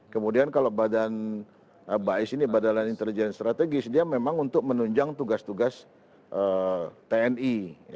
kemudian kalau badan baes ini badan intelijen strategis dia memang untuk menunjang tugas tugas tni